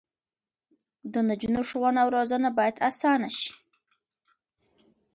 د نجونو ښوونه او روزنه باید اسانه شي.